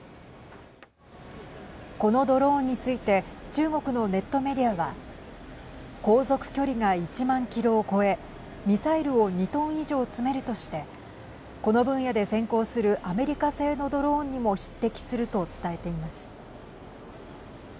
このドローンについて中国のネットメディアは航続距離が１万キロを超えミサイルを２トン以上積めるとしてこの分野で先行するアメリカ製のドローンにも匹敵すると伝えています。